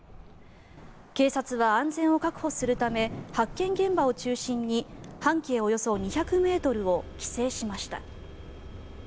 警察は安全を確保するため半径およそ２００ｍを規制しました。